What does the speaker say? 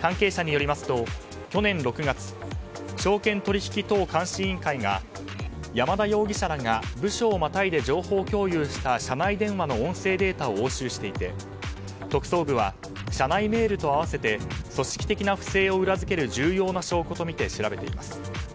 関係者によりますと、去年６月証券取引等監視委員会が山田容疑者らが部署をまたいで情報共有した社内データの音声データを押収していて特捜部は社内メールと併せて組織的な不正を裏付ける重要な証拠とみて調べています。